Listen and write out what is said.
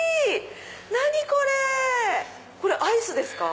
何これ⁉これアイスですか？